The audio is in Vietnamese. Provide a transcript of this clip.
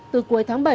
từ cuối tháng bảy